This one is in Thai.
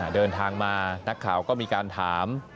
เดินทางมานักข่าวก็มีการถาม